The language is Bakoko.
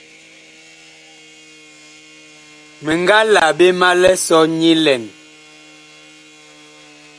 Mi nga la ɓe ma lisɔ nyilɛn.